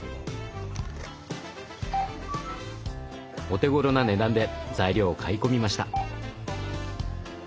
お手ごろな値段で材料を買い込みました。